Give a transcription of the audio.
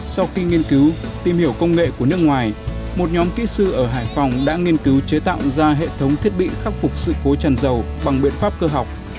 sau khi nghiên cứu tìm hiểu công nghệ của nước ngoài một nhóm kỹ sư ở hải phòng đã nghiên cứu chế tạo ra hệ thống thiết bị khắc phục sự cố tràn dầu bằng biện pháp cơ học